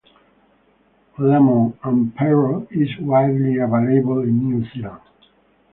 Lemon and Paeroa is widely available in New Zealand.